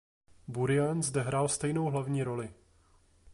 Burian zde hrál stejnou hlavní roli.